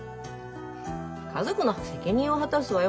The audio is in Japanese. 家族への責任は果たすわよ